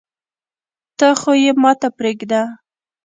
ته خو يي ماته پریږده